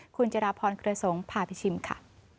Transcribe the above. คุณจิราพรเครือสงฆ์พาไปชิมค่ะ